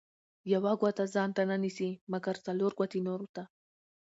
ـ يوه ګوته ځانته نه نيسي، مګر څلور ګوتې نورو ته.